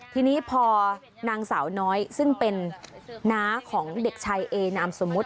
ทีนี้พอนางสาวน้อยซึ่งเป็นน้าของเด็กชายเอนามสมมุติ